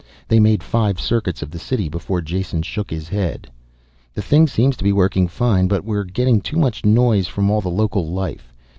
They made five circuits of the city before Jason shook his head. "The thing seems to be working fine, but we're getting too much noise from all the local life.